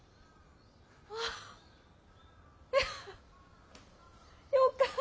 あっやよかった。